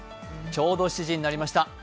ちょうど７時になりました。